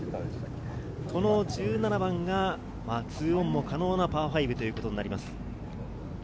１７番が、２オンも可能なパー５ということになります。